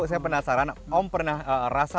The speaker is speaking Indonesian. saya penasaran om pernah rasa